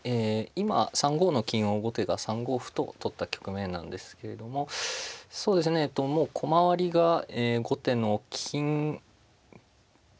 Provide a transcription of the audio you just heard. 今３五の金を後手が３五歩と取った局面なんですけれどもそうですねもう駒割りが後手の金桂得ですかね。